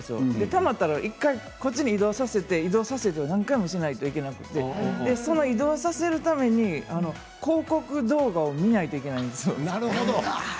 たまったらこっちに移動させるということを何回もしなきゃいけなくてそれを移動させるために広告動画を見なければいけないんですよ。